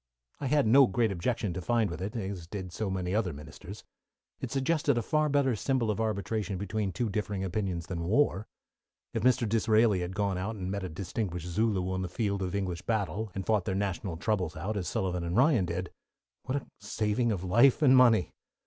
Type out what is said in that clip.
I had no great objection to find with it, as did so many other ministers. It suggested a far better symbol of arbitration between two differing opinions than war. If Mr. Disraeli had gone out and met a distinguished Zulu on the field of English battle, and fought their national troubles out, as Sullivan and Ryan did, what a saving of life and money!